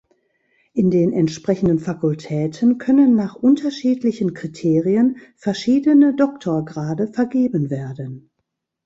In den entsprechenden Fakultäten können nach unterschiedlichen Kriterien verschiedene Doktorgrade vergeben werden.